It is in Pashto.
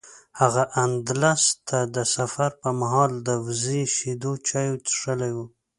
هغه اندلس ته د سفر پر مهال د وزې شیدو چای څښلي و.